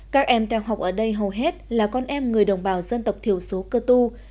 các em theo học ở đây hầu hết là con em người đồng bào dân tộc thiểu số cơ tu